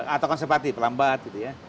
atau konservatif lambat gitu ya